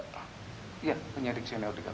iya penyidik senior